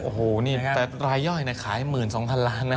โอ้โหนี่แต่รายย่อยขาย๑๒๐๐๐ล้านนะ